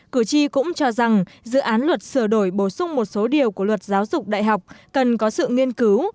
cử tri cũng cho rằng dự án luật sửa đổi bổ sung một số điều của luật giáo dục đại học cần có sự nghiên cứu